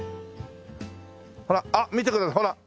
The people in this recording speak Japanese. あっ見てくださいほら。